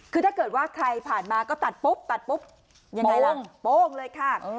คือถ้าเกิดว่าใครผ่านมาก็ตัดปุ๊บตัดปุ๊บยังไงล่ะโป้งเลยค่ะ